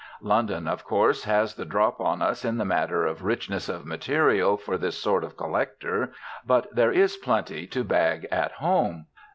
London, of course, has the drop on us in the matter of richness of material for this sort of collector, but there is plenty to bag at home.